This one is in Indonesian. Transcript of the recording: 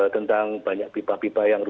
tentang banyak pilihan